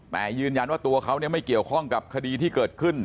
แต่ยืนยันว่าตัวเขาไม่เกี่ยวข้องกับคดีที่เกิดขึ้น